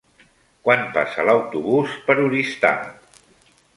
Quan passa l'autobús per Oristà?